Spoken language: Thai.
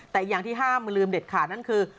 แต่อย่างที่ห้ามลืมเด็ดขาดนั่นคือ